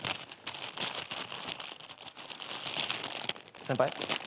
先輩？